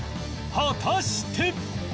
果たして